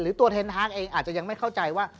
หรือตัวเทนทักเองอาจจะยังไม่เข้าใจว่า